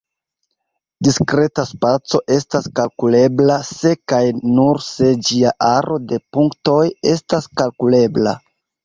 Diskreta spaco estas kalkulebla se kaj nur se ĝia aro de punktoj estas kalkulebla.